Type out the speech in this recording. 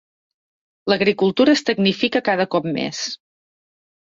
L'agricultura es tecnifica cada cop més.